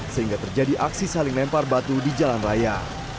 sehingga terjadi aksi saling lempar batu di jalan raya